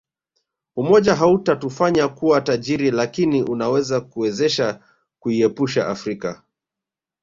Umoja hautatufanya kuwa tajiri lakini unaweza kuwezesha kuiepusha Afrika